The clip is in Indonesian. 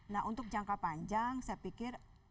nah untuk jangka panjang saya pikir